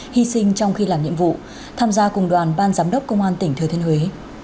hy sinh trong khi làm nhiệm vụ tham gia cùng đoàn ban giám đốc công an tỉnh thừa thiên huế